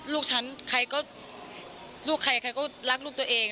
ลูกฉันใครก็ลูกใครใครก็รักลูกตัวเอง